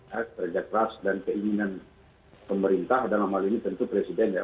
ya kerja keras dan keinginan pemerintah dalam hal ini tentu presiden ya